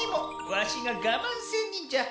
わしがガマンせんにんじゃ。